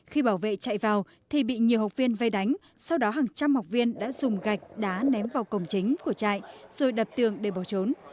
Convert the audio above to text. khi bảo vệ chạy vào thì bị nhiều học viên vây đánh sau đó hàng trăm học viên đã dùng gạch đá ném vào cổng chính của trại rồi đập tường để bỏ trốn